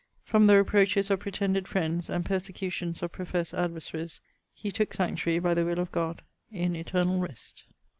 | From the reproaches of pretended friends | and persecutions of professed adversaries | he | took sanctuary | by the will of God | in eternall rest.'